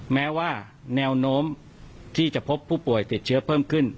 แม้ว่าแนวโน้มที่จะพบผู้ป่วยติดเชื้อเพิ่มขึ้น